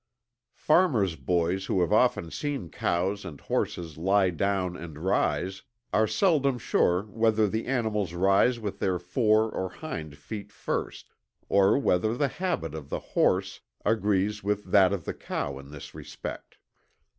Farmers' boys who have often seen cows and horses lie down and rise, are seldom sure whether the animals rise with their fore or hind feet first, or whether the habit of the horse agrees with that of the cow in this respect.